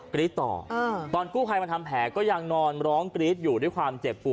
กรี๊ดต่อตอนกู้ภัยมาทำแผลก็ยังนอนร้องกรี๊ดอยู่ด้วยความเจ็บปวด